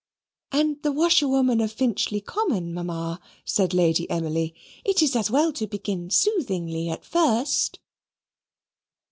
'" "And the 'Washerwoman of Finchley Common,' Mamma," said Lady Emily. "It is as well to begin soothingly at first."